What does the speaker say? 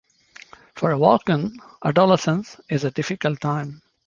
For a Walken, adolescence is a difficult time.